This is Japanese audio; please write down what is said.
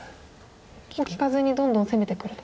もう利かずにどんどん攻めてくると。